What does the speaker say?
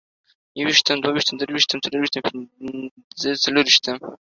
يوويشتم، دوه ويشتم، درويشتم، څلرويشتم، څلورويشتم